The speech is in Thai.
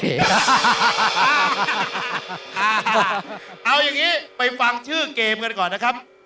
เอาอย่างนี้ไปฟังชื่อเกมกันก่อนนะครับ